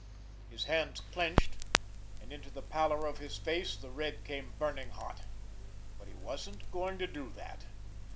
His hands clenched, and into the pallor of his face the red came burning hot. But he wasn't going to do that!